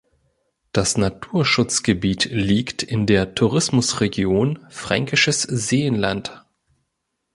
Das Naturschutzgebiet liegt in der Tourismusregion Fränkisches Seenland.